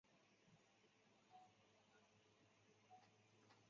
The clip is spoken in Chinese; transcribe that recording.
弗雷默里。